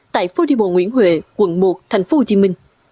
tại phố đi bộ nguyễn huệ quận một thành phố hồ chí minh